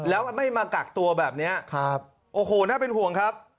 แล้วไม่มากักตัวแบบนี้ครับโอ้โหน่าเป็นห่วงครับ